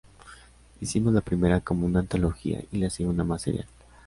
Hicimos la primera como una antología y la segunda más serial.